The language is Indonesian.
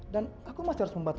dan aku masih harus memohonnya